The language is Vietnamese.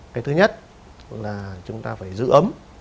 cái thứ nhất là chúng ta phải giữ ấm